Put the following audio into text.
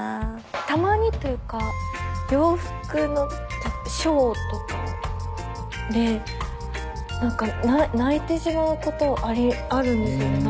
たまにというか洋服のショーとかでなんか泣いてしまうことあるんですよねなんか。